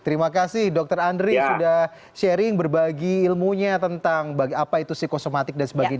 terima kasih dokter andri sudah sharing berbagi ilmunya tentang apa itu psikosomatik dan sebagainya